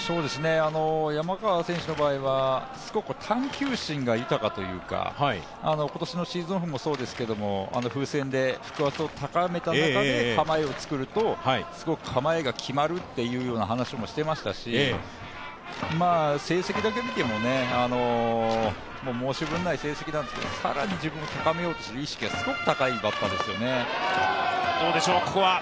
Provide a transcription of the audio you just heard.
山川選手の場合はすごく探究心が豊かというか、今年のシーズンオフもそうですけど、風船で、腹圧を高めた中で構えを作るとすごい構えが決まるという話もしていましたし、成績だけでも申し分ない成績なんですけど更に自分を高めようとする意識がすごく高いバッターですよね。